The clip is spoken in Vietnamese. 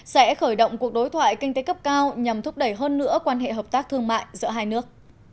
sẽ khởi động cuộc đối thoại kinh tế cấp cao nhằm thúc đẩy hơn nữa quan hệ hợp tác thương mại giữa hai nước